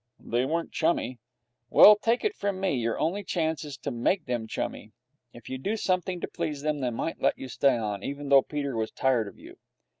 'They weren't chummy.' 'Well take it from me, your only chance is to make them chummy. If you do something to please them, they might let you stay on, even though Peter was tired of you.'